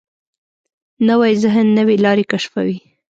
نوی ذهن نوې لارې کشفوي